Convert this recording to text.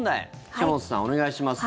島本さん、お願いします。